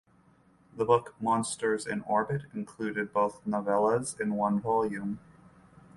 The book "Monsters in Orbit" included both novellas in one volume.